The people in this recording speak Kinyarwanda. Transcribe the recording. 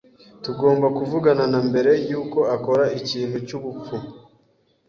Tugomba kuvugana na mbere yuko akora ikintu cyubupfu.